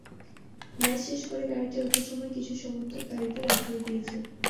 Match শেষে করে গাড়িতে ওঠার সময় কিছু সমর্থক গাড়িতে লাথিও দিয়েছে।